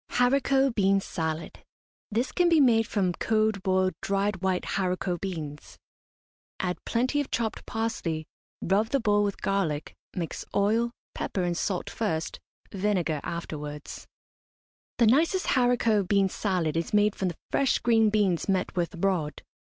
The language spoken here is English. HARICOT BEAN SALAD. This can be made from cold, boiled, dried white haricot beans. Add plenty of chopped parsley, rub the bowl with garlic, mix oil, pepper and salt first, vinegar afterwards. The nicest haricot bean salad is made from the fresh green beans met with abroad.